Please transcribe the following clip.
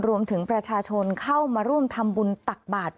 รวมถึงประชาชนเข้ามาร่วมทำบุญตักบาท